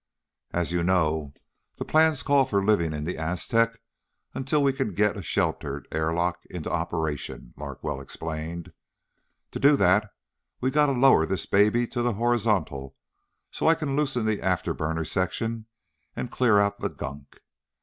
"As you know, the plans call for living in the Aztec until we can get a sheltered airlock into operation," Larkwell explained. "To do that we gotta lower this baby to the horizontal so I can loosen the afterburner section and clear out the gunk.